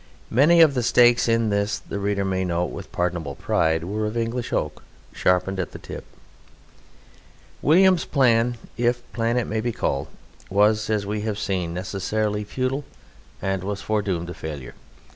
Many of the stakes in this, the reader may note with pardonable pride, were of English oak sharpened at the tip. William's plan (if plan it may be called) was, as we have seen, necessarily futile and was foredoomed to failure.